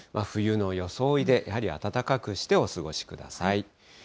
冬の装いでやはり暖かくしてお過ごしください。